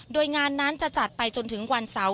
โดยงานนั้นจะจัดไปจนถึงวันเสาร์